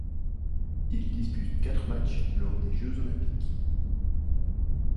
Il dispute quatre matchs lors de Jeux olympiques.